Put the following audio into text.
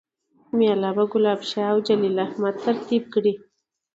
میله به ګلاب شاه اوجلیل احمد ترتیب کړي